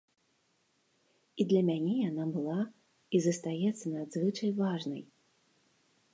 І для мяне яна была і застаецца надзвычай важнай.